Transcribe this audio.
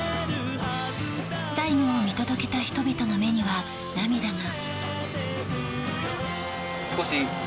最後を見届けた人々の目には涙が。